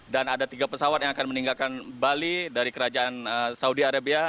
dan ada tiga pesawat yang akan meninggalkan bali dari kerajaan saudi arabia